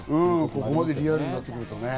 ここまでリアルになってくるとね。